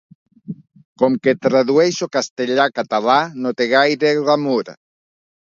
Com que tradueixo castellà-català no té gaire glamur.